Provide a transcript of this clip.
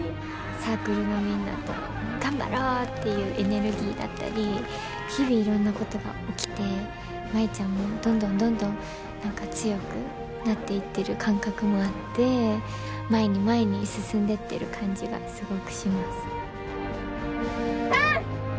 サークルのみんなと頑張ろうっていうエネルギーだったり日々いろんなことが起きて舞ちゃんもどんどんどんどん何か強くなっていってる感覚もあって前に前に進んでってる感じがすごくします。